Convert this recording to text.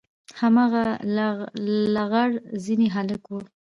هماغه لغړ زنى هلک و.